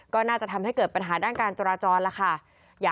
ก็น่าจะทำให้เกิดปัญหาด้านการจราจรแล้วค่ะ